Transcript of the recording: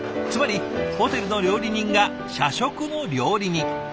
つまりホテルの料理人が社食の料理人。